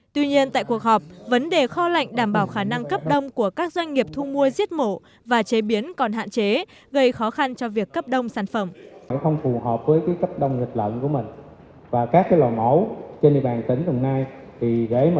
tuy nhiên tại cuộc họp vấn đề kho lạnh đảm bảo khả năng cấp đông của các doanh nghiệp thu mua giết mổ và chế biến còn hạn chế gây khó khăn cho việc cấp đông sản phẩm